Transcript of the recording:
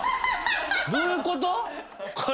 どういうこと？